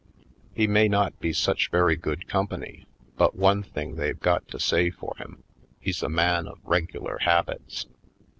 He may not be such very good company but one thing they've got to say for him — he's a man of regular habits.